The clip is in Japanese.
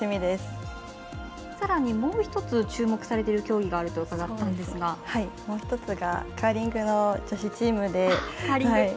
さらにもう１つ注目されている競技があるともう１つがカーリングの女子チームで。